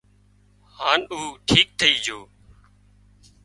هانَ هاوَ ٺيڪ ٿئي جھو